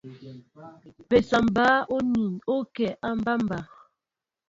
Mpésa ɓă oniin o kɛ a aɓambá.